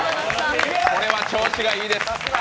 これは調子がいいです。